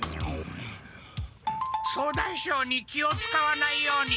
総大将に気をつかわないように。